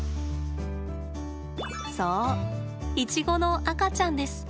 そう、イチゴの赤ちゃんです。